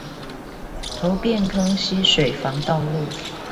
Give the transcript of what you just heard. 頭汴坑溪水防道路